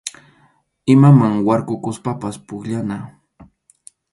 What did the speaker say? Imaman warkukuspapas pukllana.